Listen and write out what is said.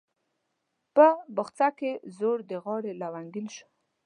په بخچه کې زوړ د غاړي لونګین شو